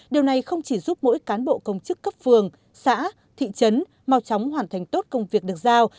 điều này không chỉ giúp mỗi cán bộ công chức cấp phường xã thị trấn mau chóng hoàn thành tốt công việc được giao